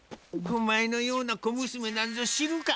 お前のようなこむすめなんぞ知るか！